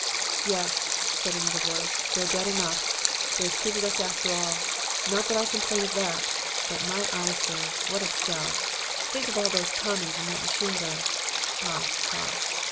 "'Yes,' said another voice, 'they're dead enough. They've cheated us after all. Not that I complain of that. But, my eye, sir; what a sell! Think of all those Tommies and that machine gun. Ha! ha!